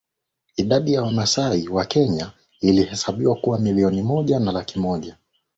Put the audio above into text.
Idadi ya Wamasai wa Kenya ilihesabiwa kuwa milioni moja laki moja